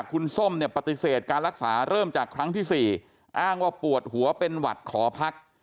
คุณส้มเนี่ยปฏิเสธการรักษาเริ่มจากครั้งที่๔อ้างว่าปวดหัวเป็นหวัดขอพัก